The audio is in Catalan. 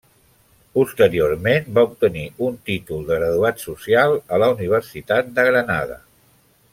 Posteriorment va obtenir un títol de Graduat Social a la Universitat de Granada.